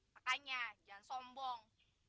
makanya jangan sombong